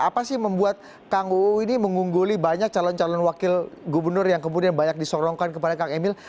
apa sih membuat kang uu ini mengungguli banyak calon calon wakil gubernur yang kemudian banyak disorongkan kepada kang emil